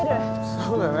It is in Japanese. そうだね。